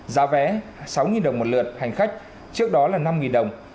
giá vé sáu đồng một lượt hành khách trước đó là năm đồng